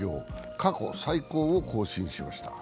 過去最高を更新しました。